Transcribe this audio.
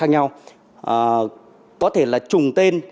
nhưng vẩn lên